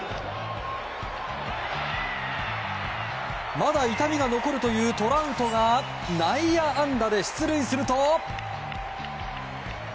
まだ痛みが残るというトラウトが内野安打で出塁すると。